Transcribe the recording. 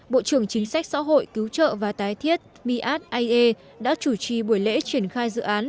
bộ trưởng chính sách xã hội cứu trợ và tái thiết myat aie đã chủ trì buổi lễ triển khai dự án